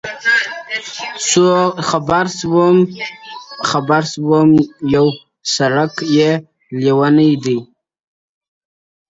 خبر سوم چي یو څرک یې لېونیو دی میندلی.!